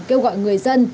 kêu gọi người dân